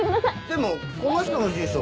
でもこの人の住所